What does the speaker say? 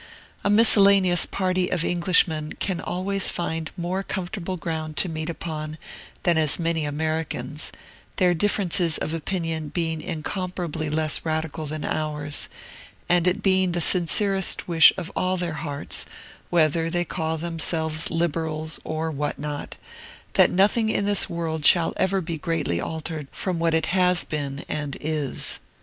A miscellaneous party of Englishmen can always find more comfortable ground to meet upon than as many Americans, their differences of opinion being incomparably less radical than ours, and it being the sincerest wish of all their hearts, whether they call themselves Liberals or what not, that nothing in this world shall ever be greatly altered from what it has been and is.